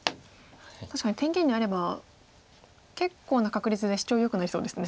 確かに天元にあれば結構な確率でシチョウよくなりそうですね。